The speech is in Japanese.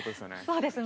◆そうです。